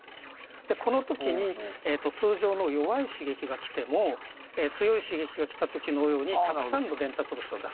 この時に通常の弱い刺激が来ても強い刺激が来た時のようにたくさんの伝達物質を出す。